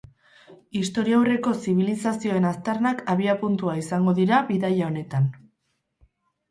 Historiaurreko zibilizazioen aztarnak abiapuntua izango dira bidaia honetan.